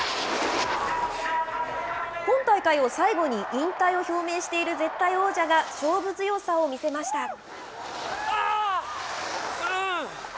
今大会を最後に引退を表明している絶対王者が、勝負強さを見せました。